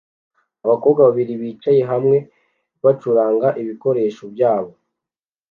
abakobwa babiri bicaye hamwe bacuranga ibikoresho byabo